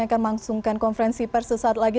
yang akan membangsungkan konferensi persesaat lagi